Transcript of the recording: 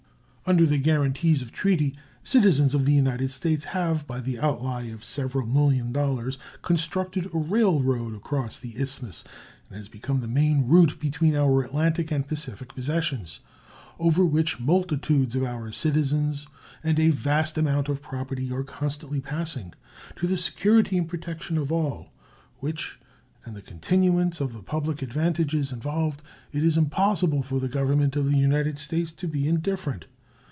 Under the guaranties of treaty, citizens of the United States have, by the outlay of several million dollars, constructed a railroad across the Isthmus, and it has become the main route between our Atlantic and Pacific possessions, over which multitudes of our citizens and a vast amount of property are constantly passing; to the security and protection of all which and the continuance of the public advantages involved it is impossible for the Government of the United States to be indifferent.